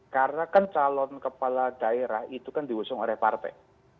karena kan calon kepala daerah itu kan diusung oleh partai